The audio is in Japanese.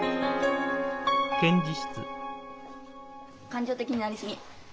感情的になり過ぎ。